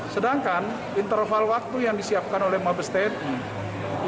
sedangkan interval waktu yang disiapkan oleh mabestaini